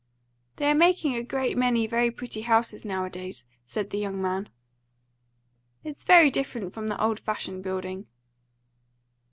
"They are making a great many very pretty houses nowadays," said the young man. "It's very different from the old fashioned building."